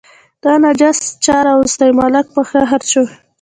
دا نجس چا راوستی، ملک په قهر شو.